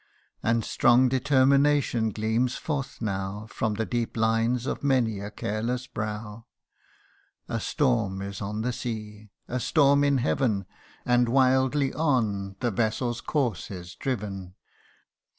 And strong determination gleams forth now From the deep lines of many a careless brow. A storm is on the sea ; a storm in heaven ; And wildly on the vessel's course is driven.